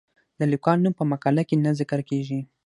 د لیکوال نوم په مقاله کې نه ذکر کیږي.